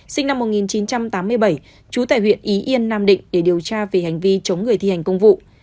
sinh năm một nghìn chín trăm tám mươi bảy trú tại huyện ý yên nam định để điều tra về hành vi chống người thi hành công vụ